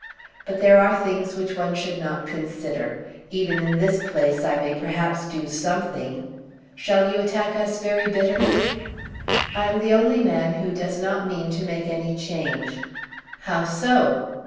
But there are things which one should not consider. Even in this place I may perhaps do something. Shall you attack us very bitterly?" "I am the only man who does not mean to make any change." "How so?"